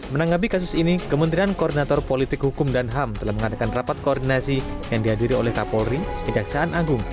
menanggapi kasus ini kementerian koordinator politik hukum dan ham telah mengadakan rapat koordinasi yang dihadiri oleh kapolri kejaksaan agung